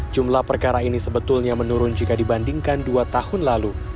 jumlah perkara ini sebetulnya menurun jika dibandingkan dua tahun lalu